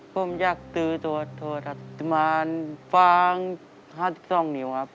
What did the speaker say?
ผมอยากซื้อโทรศัพท์มาฟัง๕๒นิ้วครับ